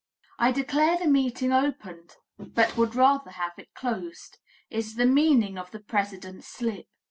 "I declare the meeting opened, but would rather have it closed," is the meaning of the president's slip.